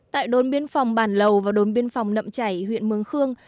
tại đồn biên phòng bản lầu và đồn biên phòng nậm chảy huyện mường khương